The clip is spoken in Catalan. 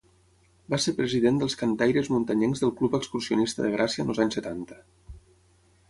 Va ser president dels Cantaires Muntanyencs del Club Excursionista de Gràcia en els anys setanta.